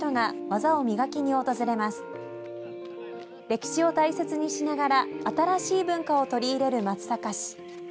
歴史を大切にしながら新しい文化を取り入れる松阪市。